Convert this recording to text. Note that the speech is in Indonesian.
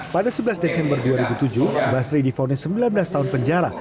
pada sebelas desember dua ribu tujuh basri difonis sembilan belas tahun penjara